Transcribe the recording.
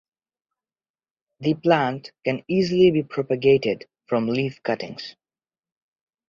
The plant can be easily propagated from leaf cuttings.